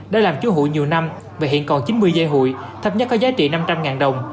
đã làm chú hội nhiều năm và hiện còn chín mươi dây hội thấp nhất có giá trị năm trăm linh ngàn đồng